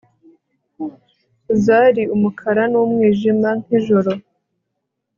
zari umukara n'umwijima nk'ijoro